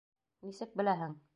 Нисек беләһең?